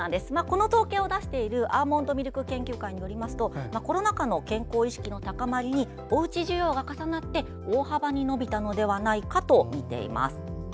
この統計を出しているアーモンドミルク研究会によるとコロナ禍の健康意識の高まりにおうち需要が重なって大幅に伸びたのではと見ています。